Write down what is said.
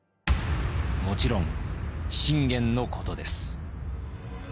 もちろん信玄のことです。